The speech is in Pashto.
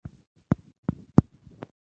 انصاف له حیوان سره هم په کار دی تاریخي شالید لري